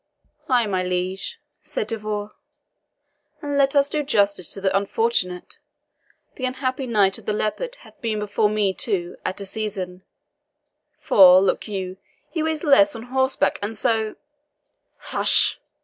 "Ay, my liege," said De Vaux, "and let us do justice to the unfortunate. The unhappy Knight of the Leopard hath been before me too, at a season; for, look you, he weighs less on horseback, and so " "Hush!"